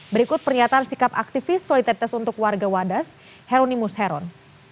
berikut pernyataan sikap aktivis solidaritas untuk warga wadas heronimus heron